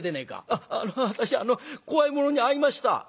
「あっあの私あの怖いものに会いました」。